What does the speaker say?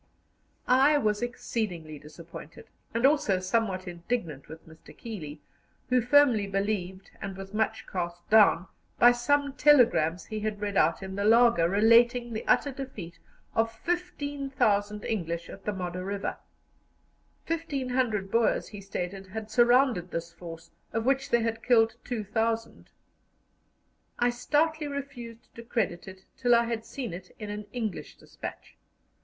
I was exceedingly disappointed, and also somewhat indignant with Mr. Keeley, who firmly believed, and was much cast down by, some telegrams he had read out in the laager, relating the utter defeat of 15,000 English at the Modder River; 1,500 Boers, he stated, had surrounded this force, of which they had killed 2,000. I stoutly refused to credit it till I had seen it in an English despatch.